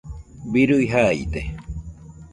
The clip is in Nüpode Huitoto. birui jaide